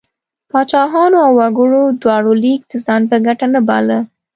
پاچاهانو او وګړو دواړو لیک د ځان په ګټه نه باله.